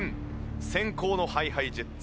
先攻のＨｉＨｉＪｅｔｓ